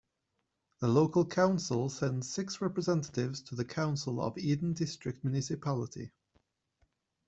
The local council sends six representatives to the council of the Eden District Municipality.